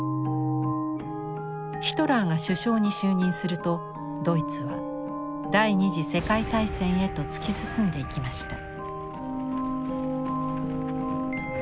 ヒトラーが首相に就任するとドイツは第２次世界大戦へと突き進んでいきました。